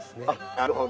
なるほど。